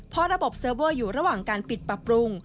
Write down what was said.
เพราะระบบเซิร์ฟเวอร์อยู่ระหว่างการปิดปรับปรุง